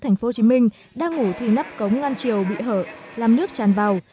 tp hcm đang ngủ thì nắp cống ngăn chiều bị hở làm nước tràn vào